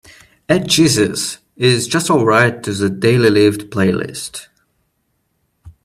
Add jesus is just alright to the Daily Lift playlist.